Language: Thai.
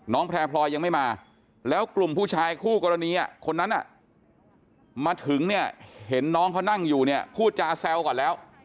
แพร่พลอยยังไม่มาแล้วกลุ่มผู้ชายคู่กรณีคนนั้นมาถึงเนี่ยเห็นน้องเขานั่งอยู่เนี่ยพูดจาแซวก่อนแล้ว